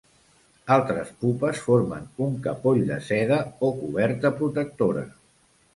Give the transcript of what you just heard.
Altres pupes formen un capoll de seda o coberta protectora.